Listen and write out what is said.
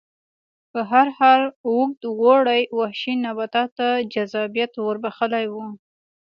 په هر حال اوږد اوړي وحشي نباتاتو ته جذابیت ور بخښلی و